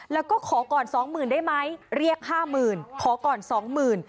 แล้วก็ขอก่อน๒๐๐๐๐บาทได้ไหมเรียก๕๐๐๐๐บาทขอก่อน๒๐๐๐๐บาท